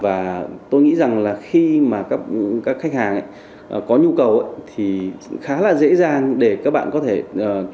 và tôi nghĩ rằng khi mà các khách hàng có nhu cầu thì khá là dễ dàng để các bạn có thể tra trên google